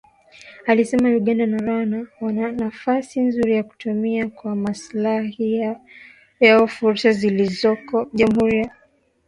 Alisema Uganda na Rwanda wana nafasi nzuri ya kutumia kwa maslahi yao fursa zilizoko Jamuhuri ya kidemokrasia ya kongo